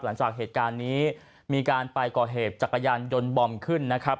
หลังจากเหตุการณ์นี้มีการไปก่อเหตุจักรยานยนต์บอมขึ้นนะครับ